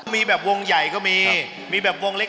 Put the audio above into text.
มีแบบวงใหญ่ก็มีมีแบบวงเล็ก